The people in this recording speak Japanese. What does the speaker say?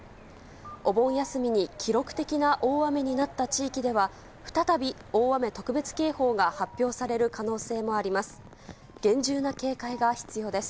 お盆休みに記録的な大雨になった地域では再び大雨特別警報が発表される可能性もあります。